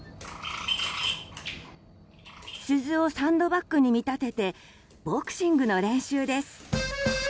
鈴をサンドバッグに見立ててボクシングの練習です。